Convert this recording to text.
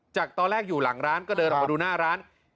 จากตอนแรกอยู่หลังร้านก็เดินออกมาดูหน้าร้าน